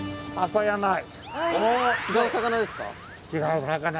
違う魚ですか？